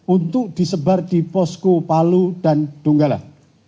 untuk disebar di posko palu dan donggala